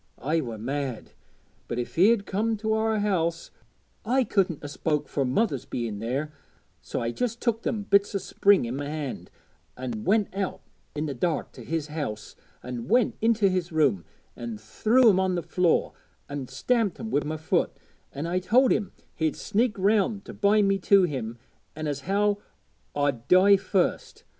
I were mad; but if he'd comed to our house I couldn't 'a spoke fur mother's being there; so I just took them bits o' Spring i' my hand, an' went out i' the dark to his house, an' went into his room, an' threw 'em on the floor, an' stamped 'em wi' my foot, an' I told him how he'd sneaked round to bind me to him, an' as how I'd die first.